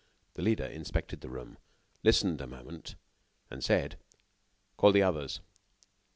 The leader inspected the room, listened a moment, and said: "Call the others."